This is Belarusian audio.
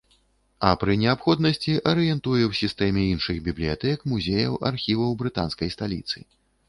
А пры неабходнасці арыентуе ў сістэме іншых бібліятэк, музеяў, архіваў брытанскай сталіцы.